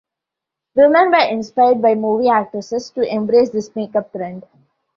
Women were inspired by movie actresses to embrace this makeup trend.